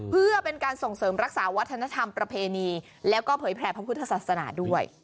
เพื่อเป็นการส่งเสริมรักษาวัฒนธรรมประเพณีแล้วก็เผยแพร่พระพุทธศาสนาด้วย